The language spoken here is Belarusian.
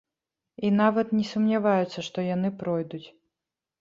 І нават не сумняваюцца, што яны пройдуць.